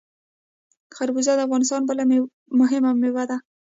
خربوزه د افغانستان بله مهمه میوه ده.